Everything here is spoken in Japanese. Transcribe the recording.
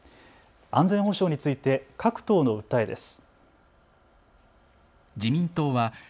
安全保障について各党の訴えです。